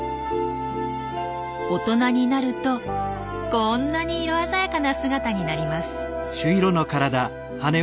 大人になるとこんなに色鮮やかな姿になります。